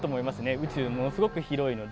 宇宙ものすごく広いので。